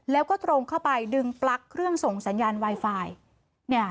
แล้วก็ตรงเข้าไปดึงปลั๊กเครื่องส่งสัญญาณไวไฟเนี่ย